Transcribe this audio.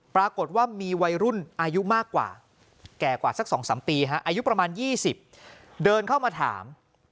ปรากฏว่ามีวัยรุ่นอายุมากกว่าแก่กว่าสัก๒๓ปีอายุประมาณ๒๐เดินเข้ามาถาม